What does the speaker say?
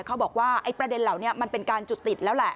เขาบอกว่าไอ้ประเด็นเหล่านี้มันเป็นการจุดติดแล้วแหละ